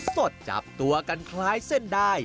สดจับตัวกันคล้ายเส้นดาย